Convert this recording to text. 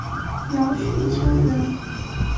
姚绪羌人。